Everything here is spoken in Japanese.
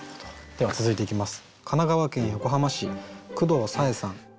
では続いていきます。